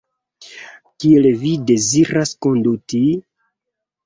Kiel vi deziras konduti?